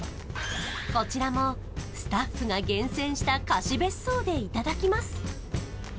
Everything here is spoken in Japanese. こちらもスタッフが厳選した貸別荘でいただきます